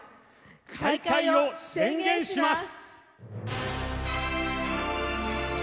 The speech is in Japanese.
開会を宣言します！